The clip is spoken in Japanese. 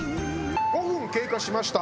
５分経過しました。